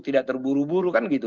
tidak terburu buru kan gitu